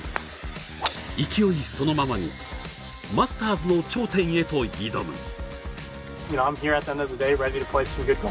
勢いそのままにマスターズの頂点へと挑む。